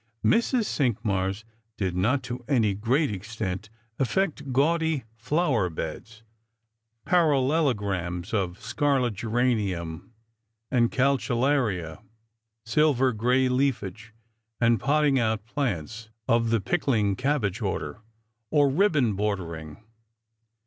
Mrs. Cinqmars did not to any great extent alFect gaudy flower beds — parallelograms of scarlet geranium and calceolaria, silver gray leafage, and potting out plants of the pickling cabbage order — or ribbon bordering.